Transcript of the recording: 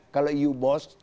kalau ibu bos